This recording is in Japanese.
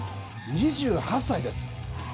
２８歳です。